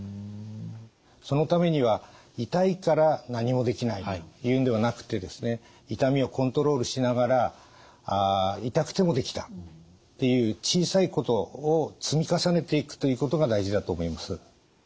そのためには「痛いから何もできない」というんではなくてですね痛みをコントロールしながら「痛くてもできた」っていう小さいことを積み重ねていくということが大事だと思います。